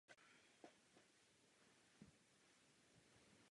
Krunýř je dlouhý a oválný.